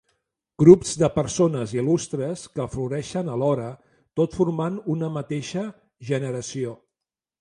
Grups de persones il·lustres que floreixen alhora, tot formant una mateixa generació.